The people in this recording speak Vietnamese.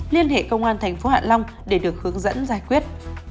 liên hệ công an tp hạ long để được hướng dẫn giải quyết